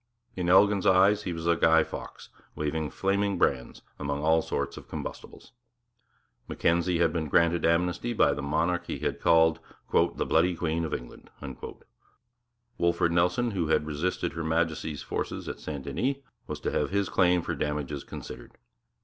In Elgin's eyes he was a Guy Fawkes waving flaming brands among all sorts of combustibles. Mackenzie had been granted amnesty by the monarch he had called 'the bloody Queen of England.' Wolfred Nelson, who had resisted Her Majesty's forces at St Denis, was to have his claim for damages considered.